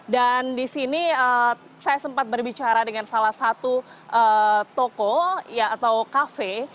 dan di sini saya sempat berbicara dengan salah satu toko atau kafe